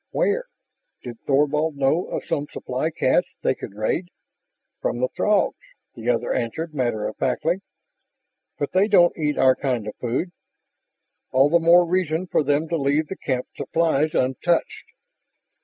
"Where?" Did Thorvald know of some supply cache they could raid? "From the Throgs," the other answered matter of factly. "But they don't eat our kind of food...." "All the more reason for them to leave the camp supplies untouched."